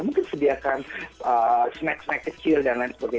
mungkin sediakan snack snack kecil dan lain sebagainya